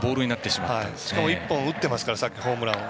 しかも１本打ってますからさっきホームランを。